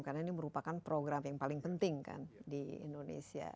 karena ini merupakan program yang paling penting kan di indonesia